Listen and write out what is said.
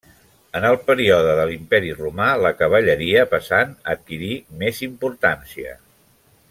En el període de l'Imperi Romà la cavalleria pesant adquirí més importància.